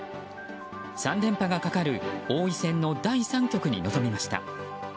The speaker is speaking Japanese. ３連覇がかかる王位戦の第３局に臨みました。